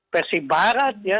versi barat ya